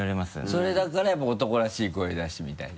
それだからやっぱ男らしい声出してみたい？